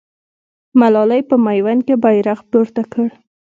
ملالۍ په میوند کې بیرغ پورته کړ.